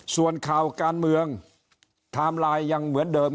ส่วนข่าวการเมืองไทม์ไลน์ยังเหมือนเดิม